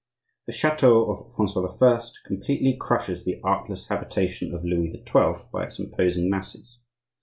The chateau of Francois I. completely crushes the artless habitation of Louis XII. by its imposing masses.